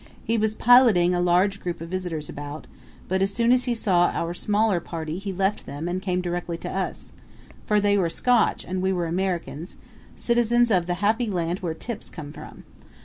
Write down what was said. He was piloting a large group of visitors about, but as soon as he saw our smaller party he left them and came directly to us; for they were Scotch and we were Americans, citizens of the happy land where tips come from.